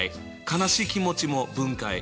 悲しい気持ちも分解。